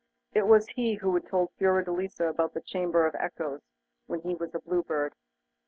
It was he who had told Fiordelisa about the Chamber of Echoes, when he was a Blue Bird.